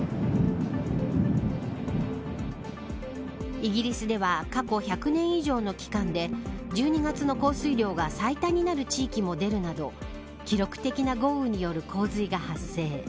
イギリスでは過去１００年以上の期間で１２月の降水量が最多になる地域も出るなど記録的な豪雨による洪水が発生。